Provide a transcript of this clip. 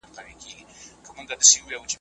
که سياسي شرايط سم وي پانګوال به پانګونه وکړي.